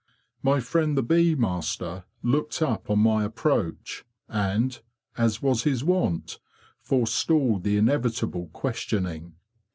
My friend the bee master looked up on my approach, and, as was his wont, forestalled the inevitable questioning.